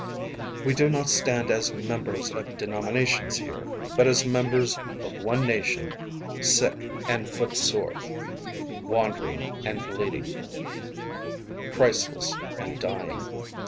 We do not stand as members of denomina tions here, but as members of one nation sick and foot sore, wan dering and bleeding, Christless and dying.